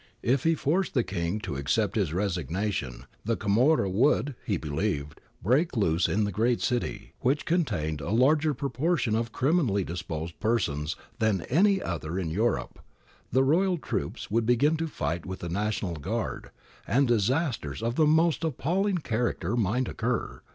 If he forced the King to accept his resignation, the camorra would, he believed, break loose in the great city, which contained a larger proportion of criminally disposed persons than any other in Europe, the Royal troops would begin to fight with the National Guard, and disasters of the most appalling character might occur.